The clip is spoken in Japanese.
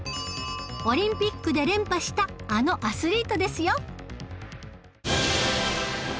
オリンピックで連覇したあのアスリートですよ